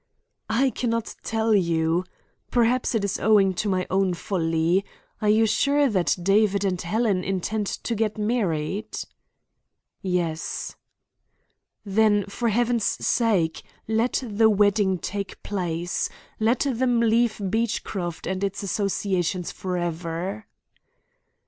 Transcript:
"I cannot tell you. Perhaps it is owing to my own folly. Are you sure that David and Helen intend to get married?" "Yes." "Then, for Heaven's sake, let the wedding take place. Let them leave Beechcroft and its associations for ever."